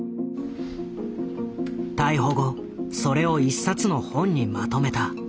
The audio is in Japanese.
逮捕後それを一冊の本にまとめた。